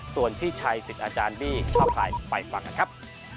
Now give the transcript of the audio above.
ส่วนพี่ชัยสิทธิ์อาจารย์บี้ชอบใครไปฟังกันครับ